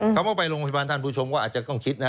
คำว่าไปโรงพยาบาลท่านผู้ชมก็อาจจะต้องคิดนะฮะ